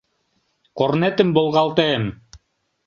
Корнетым волгалтем.